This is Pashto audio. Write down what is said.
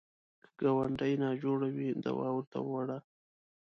که ګاونډی ناجوړه وي، دوا ورته وړه